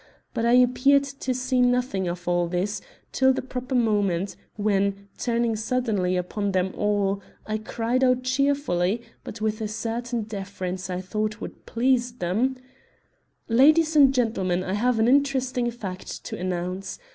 But I appeared to see nothing of all this till the proper moment, when, turning suddenly upon them all, I cried out cheerfully, but with a certain deference I thought would please them: "Ladies and gentlemen: I have an interesting fact to announce.